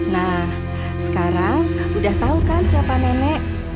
nah sekarang udah tau kan siapa nenek